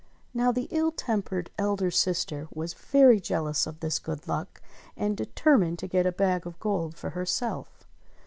Now the ill tempered elder sister was very jealous of this good luck, and determined to get a bag of gold for herself.